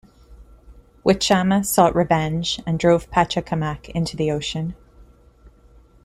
Wichama sought revenge and drove Pacha Kamaq into the ocean.